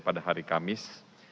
pada hari kamis